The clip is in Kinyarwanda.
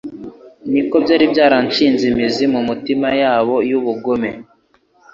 niko byari byarashinze imizi mu mitima yabo y'ubugome.